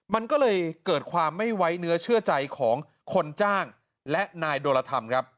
มันก็เลยเกิดความไม่ไว้เนื้อเชื่อใจของคนจ้างและนายโดรธรรมครับ